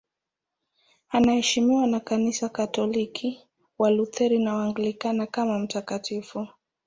Anaheshimiwa na Kanisa Katoliki, Walutheri na Waanglikana kama mtakatifu.